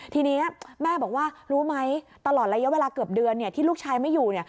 ทีนี้แม่บอกว่ารู้ไหมตลอดระยะเวลาเกือบเดือนที่ลูกชายไม่อยู่